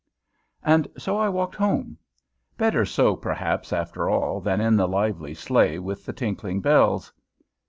And so I walked home. Better so, perhaps, after all, than in the lively sleigh, with the tinkling bells.